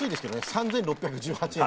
３，６１８円。